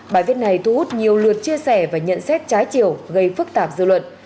bài viết này thu hút nhiều lượt chia sẻ và nhận xét trái chiều gây phức tạp dư luận